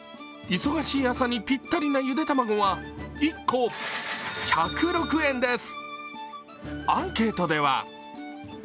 忙しい朝にぴったりなゆで卵は１個１０６円です。